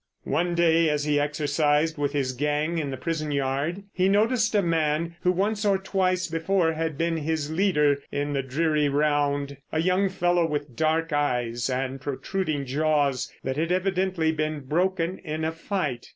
One day as he exercised with his gang in the prison yard he noticed a man who once or twice before had been his leader in the dreary round—a young fellow with dark eyes, and protruding jaws that had evidently been broken in a fight.